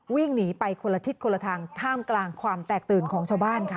วิ่งหนีไปคนละทิศคนละทางท่ามกลางความแตกตื่นของชาวบ้านค่ะ